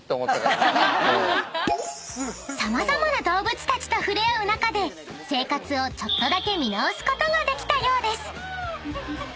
［様々な動物たちと触れ合う中で生活をちょっとだけ見直すことができたようです］